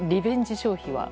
消費は？